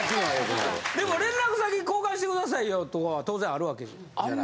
でも連絡先交換してくださいよとかは当然あるわけじゃない。